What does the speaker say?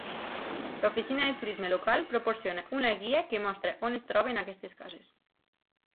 L'oficina de turisme local proporciona una guia que mostra on es troben aquestes cases.